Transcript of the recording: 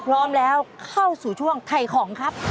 พร้อมค่ะ